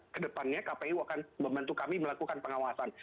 ke depannya kppu akan membantu kami melakukan pengawasan